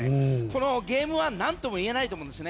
このゲームは何とも言えないと思うんです。